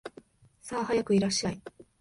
さあ、早くいらっしゃい